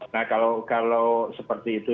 nah kalau seperti itu